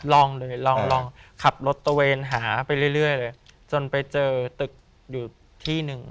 ลองเลยลองขับรถตะเวนหาไปเรื่อยเลยจนไปเจอตึกอยู่ที่หนึ่ง